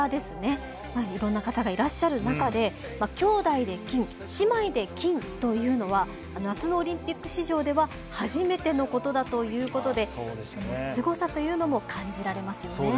いろんな方がいらっしゃる中できょうだいで金姉妹で金というのは夏のオリンピック史上では初めてのことだということですごさというのも感じられますよね。